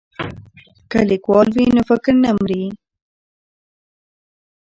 که لیکوال وي نو فکر نه مري.